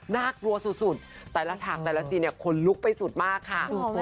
น่ากลัวสุดแต่ละฉากแต่ละซีนเนี่ยขนลุกไปสุดมากค่ะ